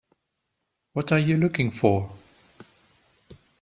What are you looking for?